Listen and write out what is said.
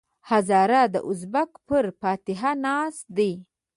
هزاره د ازبک پر فاتحه ناست دی.